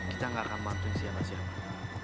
kita nggak akan bantuin siapa siapa